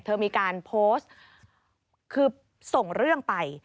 เธอมีการโพสต์คือส่งเรื่องไป